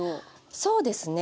そうですね。